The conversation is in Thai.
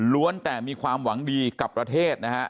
แต่มีความหวังดีกับประเทศนะฮะ